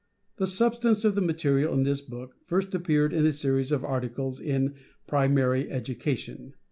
The substance of the material in this book, first appeared as a series of articles in Primary Educa tion.